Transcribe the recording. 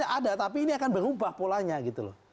ada tapi ini akan berubah polanya gitu loh